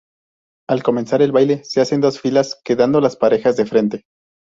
Al comenzar el baile se hacen dos filas, quedando las parejas de frente.